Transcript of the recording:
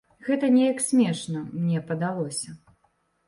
Гэта неяк смешна, мне падалося.